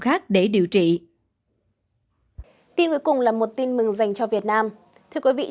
tại đây quy định tiêu chăm sóc bệnh viện nước đức sẽ xảy ra tương tự với cả các nơi đại dịch